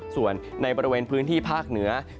ส่วนในบริเวณพื้นที่ภาคเหนือ